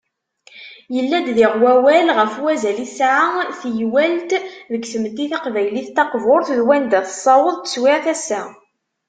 Yella-d diɣ, wawal ɣef wazal i tesɛa teywalt deg tmetti taqbaylit taqburt, d wanda tessaweḍ teswiɛt ass-a.